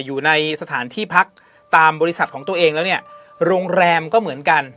อยู่ในสถานที่พักตามบริษัทของตัวเองแล้วเนี่ยโรงแรมก็เหมือนกัน